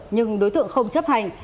nhưng đối tượng không chấp hành